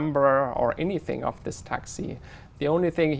hoặc những nơi truyền thống